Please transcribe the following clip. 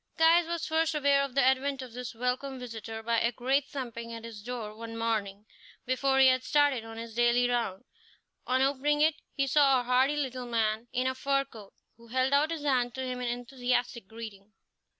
Caius was first aware of the advent of this welcome visitor by a great thumping at his door one morning before he had started on his daily round. On opening it, he saw a hardy little man in a fur coat, who held out his hand to him in enthusiastic greeting.